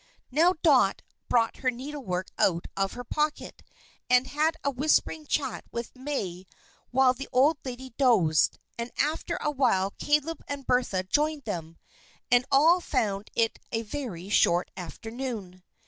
Now Dot brought her needlework out of her pocket, and had a whispering chat with May while the old lady dozed, and after a while Caleb and Bertha joined them, and all found it a very short afternoon.